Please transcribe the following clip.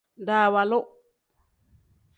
Dawaalu.